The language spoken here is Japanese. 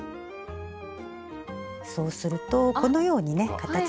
そうするとこのようにね形が。